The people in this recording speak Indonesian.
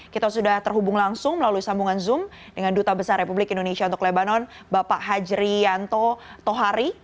kita sudah terhubung langsung melalui sambungan zoom dengan duta besar republik indonesia untuk lebanon bapak hajri yanto tohari